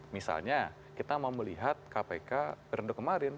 misalnya kita mau melihat kpk periode kemarin